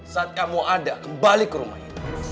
saat kamu ada kembali ke rumah ini